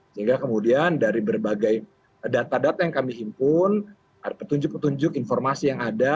sehingga kemudian dari berbagai data data yang kami himpun ada petunjuk petunjuk informasi yang ada